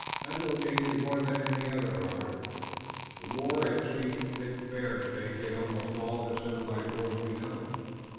"Mental changes more than any other, Robert. The war in its sweep bids fair to take in almost all the civilized world we know.